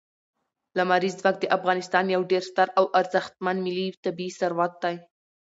لمریز ځواک د افغانستان یو ډېر ستر او ارزښتمن ملي طبعي ثروت دی.